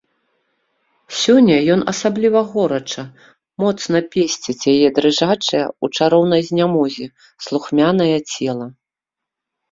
Сёння ён асабліва горача, моцна песціць яе дрыжачае ў чароўнай знямозе, слухмянае цела.